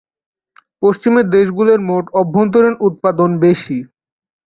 পশ্চিমের দেশগুলির মোট অভ্যন্তরীণ উৎপাদন বেশি।